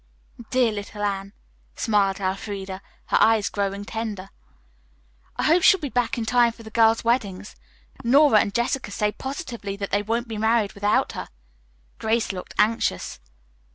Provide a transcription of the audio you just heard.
"Dear little Anne," smiled Elfreda, her eyes growing tender. "I hope she'll be back in time for the girls' weddings. Nora and Jessica say positively that they won't be married without her." Grace looked anxious.